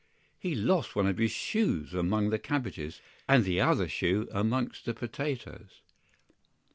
He lost one of his shoes among the cabbages, and the other shoe amongst the potatoes.